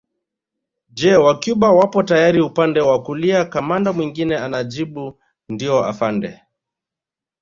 Je Wacuba wapo tayari upande wa kulia kamanda mwingine anajibu ndio afande